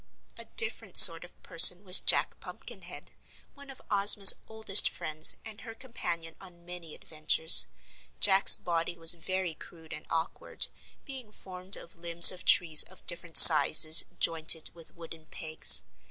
A different sort of person was Jack Pumpkinhead, one of Ozma's oldest friends and her companion on many adventures. Jack's body was very crude and awkward, being formed of limbs of trees of different sizes, jointed with wooden pegs.